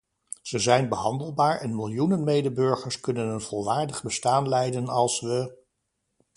Ze zijn behandelbaar en miljoenen medeburgers kunnen een volwaardig bestaan leiden als we ...